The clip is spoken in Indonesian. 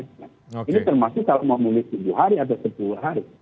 ini termasuk kalau mau mudik tujuh hari atau sepuluh hari